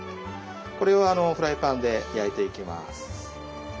これをフライパンで焼いていきます。